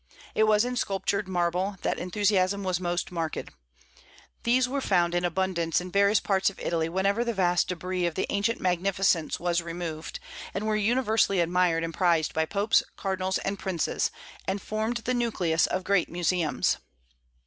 It was in sculptured marbles that enthusiasm was most marked. These were found in abundance in various parts of Italy whenever the vast débris of the ancient magnificence was removed, and were universally admired and prized by popes, cardinals, and princes, and formed the nucleus of great museums.